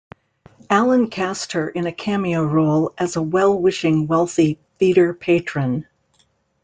Allen cast her in a cameo role as a well-wishing wealthy theatre patron.